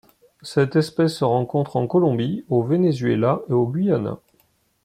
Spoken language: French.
Cette espèce se rencontre en Colombie, au Venezuela et au Guyana.